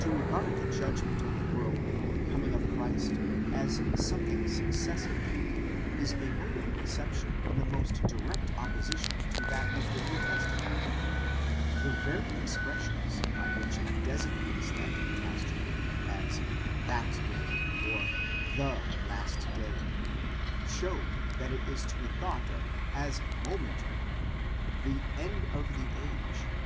To regard the judgment of the world, the coming of Christ, as some thing successive, is a mode of conception in the most direct opposition to that of the New Testament. The very expressions by which it designates that catastrophe, as that day or the last day, ἐκείνη or ἐσχάτη ἡμέρα, show that it is to be thought of as momentary ; the συντέλεια τοῦ αἰῶνος, end of the age (v.